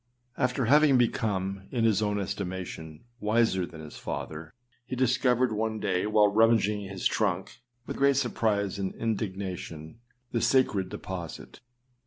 After having become, in Iris own estimation, wiser than his father, he discovered one day, while rummaging his trunk, with great surprise and indignation, the sacred deposit.